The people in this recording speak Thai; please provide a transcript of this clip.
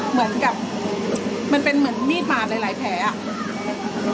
เหมือนกับมันเป็นเหมือนมีดบาดหลายแผลอ่ะ